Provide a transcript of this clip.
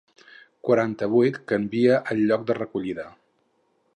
Quaranta-vuit canvia el lloc de recollida.